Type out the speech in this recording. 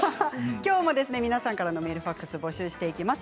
きょうも皆さんからメールファックスを募集していきます。